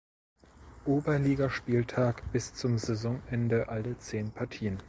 Oberligaspieltag bis zum Saisonende alle zehn Partien.